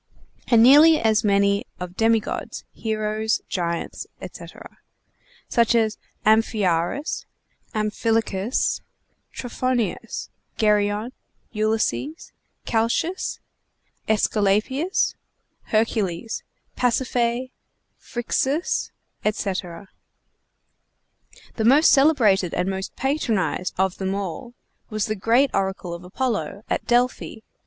and nearly as many of demi gods, heroes, giants, etc., such as Amphiaraus, Amphilochus, Trophonius, Geryon, Ulysses, Calchas, Æsculapius, Hercules, Pasiphae, Phryxus, etc. The most celebrated and most patronized of them all was the great oracle of Apollo, at Delphi.